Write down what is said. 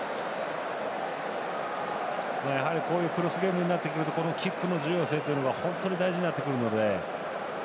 やはり、こういうクロスゲームになってくるとこのキックの重要性が大事になってくるので。